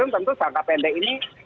tentu jangka pendek ini